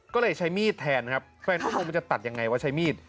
ก็เลยใช้มีดแทนครับแฟนก็งงมันจะตัดยังไงว่าใช้มีด